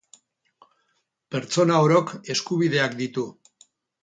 Pertsona orok eskubideak ditu.